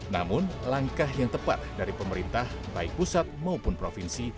namun langkah yang tepat dari pemerintah baik pusat maupun provinsi